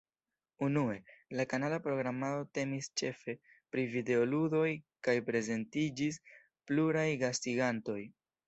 Unue, la kanala programado temis ĉefe pri videoludoj kaj prezentiĝis pluraj gastigantoj.